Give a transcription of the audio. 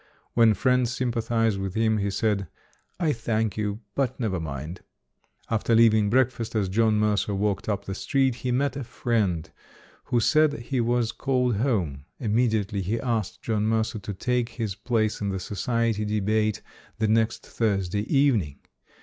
When friends sympathized with him, he said, "I thank you, but never mind". After leaving breakfast, as John Mercer walked up the street, he met a friend who said he was called home. Immediately he asked John Mercer to take his place in the Society debate the next Thursday evening.